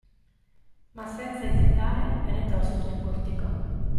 Ma senza esitare penetrò sotto il portico.